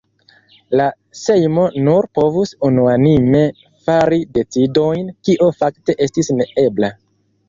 La Sejmo nur povus unuanime fari decidojn, kio fakte estis ne ebla.